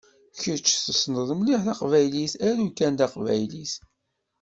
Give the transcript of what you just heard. Kečč tessneḍ mliḥ taqbaylit aru kan taqbaylit.